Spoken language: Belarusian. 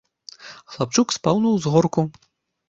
Хлапчук спаў на ўзгорку.